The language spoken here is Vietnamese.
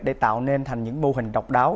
để tạo nên thành những mô hình độc đáo